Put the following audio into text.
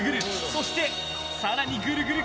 そして更にぐるぐる。